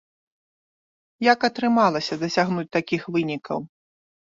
Як атрымалася дасягнуць такіх вынікаў?